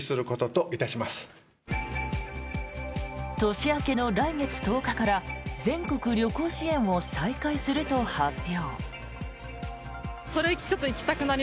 年明けの来月１０日から全国旅行支援を再開すると発表。